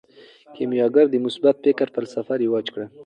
کیمیاګر د مثبت فکر فلسفه رواج کړه.